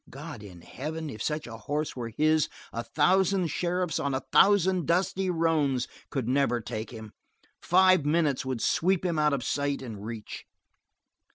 God in heaven, if such a horse were his a thousand sheriffs on a thousand dusty roans could never take him; five minutes would sweep him out of sight and reach.